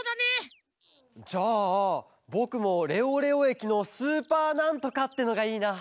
じゃあぼくも「レオレオえきのスーパーなんとか」ってのがいいな。